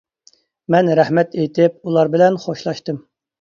مەن رەھمەت ئېيتىپ ئۇلار بىلەن خوشلاشتىم.